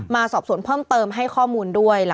มาสอบสวนเพิ่มเติมให้ข้อมูลด้วย